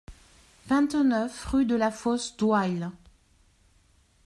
vingt-neuf rue de la Fosse d'Oille